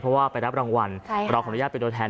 เพราะว่าไปรับรางวัลเราขออนุญาตเป็นตัวแทน